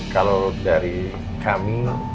kalau dari kami